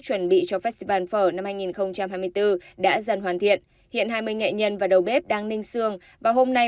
chuẩn bị cho festival phở năm hai nghìn hai mươi bốn đã dần hoàn thiện hiện hai mươi nghệ nhân và đầu bếp đang ninh xương và hôm nay